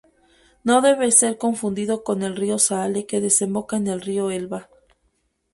No debe ser confundido con el río Saale que desemboca en el río Elba.